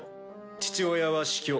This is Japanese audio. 父親は死去。